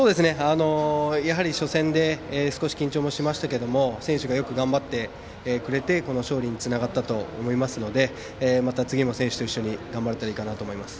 やはり初戦で少し緊張もしましたが選手がよく頑張ってくれて勝利につながったと思いますのでまた次も選手と一緒に頑張れたらいいと思います。